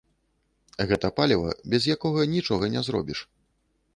Гэта паліва, без якога нічога не зробіш.